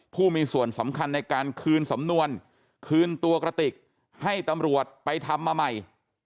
ผู้มีส่วนสำคัญในการคืนสำนวนคืนตัวกระติกให้ตำรวจไปทำมาใหม่